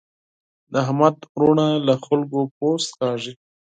د احمد وروڼه له خلګو پوست کاږي.